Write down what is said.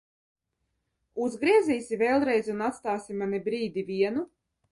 Uzgriezīsi vēlreiz un atstāsi mani brīdi vienu?